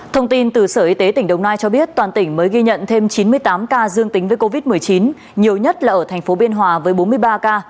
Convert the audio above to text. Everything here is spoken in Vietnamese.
thông tin từ sở y tế tỉnh đồng nai cho biết toàn tỉnh mới ghi nhận thêm chín mươi tám ca dương tính với covid một mươi chín nhiều nhất là ở thành phố biên hòa với bốn mươi ba ca